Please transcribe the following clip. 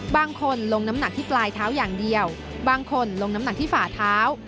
บางคนลงน้ำหนักที่ปลายเท้าอย่างเดียวบางคนลงน้ำหนักที่ฝ่าเท้า